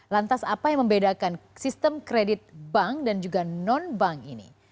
lantas apa yang membedakan sistem kredit bank dan juga non bank ini